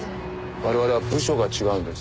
我々は部署が違うんです。